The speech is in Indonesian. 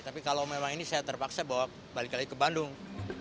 tapi kalau memang ini saya terpaksa bawa balik lagi ke bandung